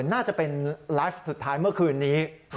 น่าจะเป็นไลฟ์สุดท้ายเมื่อคืนนี้